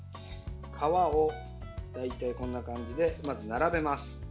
皮を、大体こんな感じで並べます。